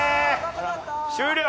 終了。